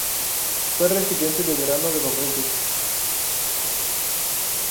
Fue residencia de verano de los Reyes.